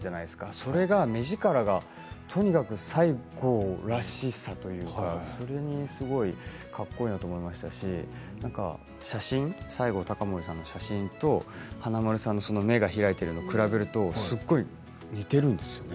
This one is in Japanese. それが目力がとにかく西郷らしさというかそれにかっこいいなと思いましたし西郷隆盛さんの写真と華丸さんの目が開いているのを比べるとすごい似ているんですよね。